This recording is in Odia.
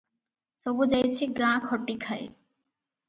ସବୁ ଯାଇଛି ଗାଁ ଖଟି ଖାଏ ।